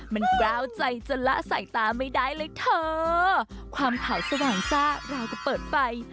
มันกล้าวใจจนละสายตาไม่ได้เลยเถอะความเผาสว่างจ้าเราจะเปิดไฟ